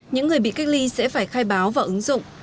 những người bị cách ly sẽ phải khai báo vào ứng dụng